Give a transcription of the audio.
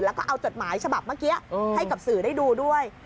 แล้วก็เอาจดหมายฉบับเมื่อกี้ให้กับสื่อได้ดูด้วย